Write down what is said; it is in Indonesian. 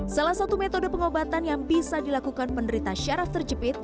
salah satu metode pengobatan yang bisa dilakukan penderita syaraf terjepit